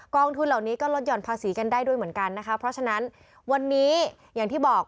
ทุนเหล่านี้ก็ลดหย่อนภาษีกันได้ด้วยเหมือนกันนะคะเพราะฉะนั้นวันนี้อย่างที่บอก